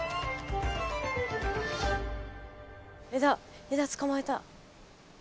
枝枝つかまえた！